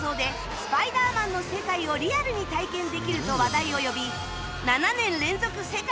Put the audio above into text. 『スパイダーマン』の世界をリアルに体験できると話題を呼び７年連続世界